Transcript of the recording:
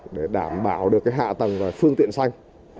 để đảm bảo được hạ tầng và phương tiện xanh